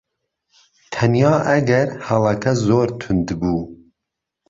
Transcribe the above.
تهنیا ئهگهر ههڵهکه زۆر توند بوو